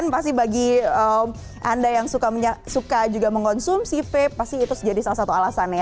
pasti bagi anda yang suka juga mengonsumsi vape pasti itu jadi salah satu alasannya